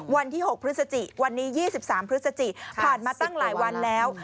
วันที่๖พฤศจิวันนี้๒๓พฤศจิผ่านมาตั้งหลายวันแล้ว